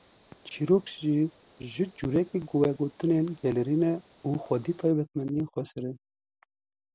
Çîrok jî cureyekî vegotinên gelêri ne û xwedî taybetmendiyên xweser in .